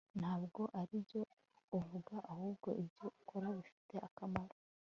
Ntabwo aribyo uvuga ahubwo ibyo ukora bifite akamaro